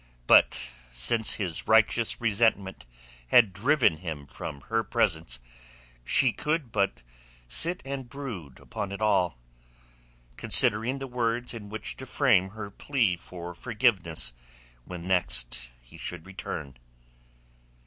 But since his righteous resentment had driven him from her presence she could but sit and brood upon it all, considering the words in which to frame her plea for forgiveness when next he should return.